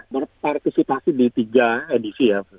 berpartisipasi di tiga edisi ya